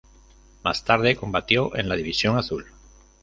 Más tarde combatió en la División Azul.